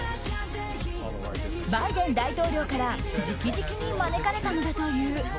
バイデン大統領から直々に招かれたのだという。